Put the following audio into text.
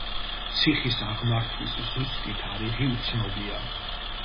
ციხის აღმართვის ზუსტი თარიღი უცნობია.